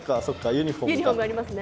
ユニフォームありますね。